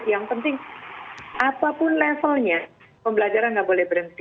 yang penting apapun levelnya pembelajaran nggak boleh berhenti